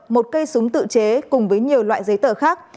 một cây súng tự chế cùng với nhiều loại giấy tờ khác